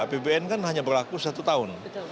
apbn kan hanya berlaku satu tahun